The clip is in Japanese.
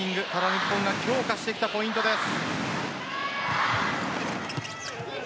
日本が強化してきたポイントです。